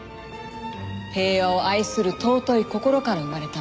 平和を愛する尊い心から生まれたの。